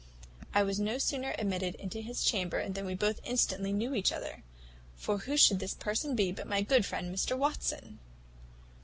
I was no sooner admitted into his chamber, than we both instantly knew each other; for who should this person be but my good friend Mr Watson!